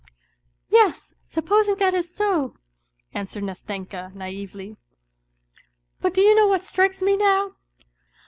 :< Yes, supposing that is so," answered Nastenka naively. " But do you know what strikes me now